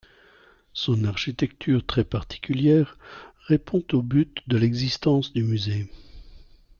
Son architecture très particulière répond au but de l'existence du musée.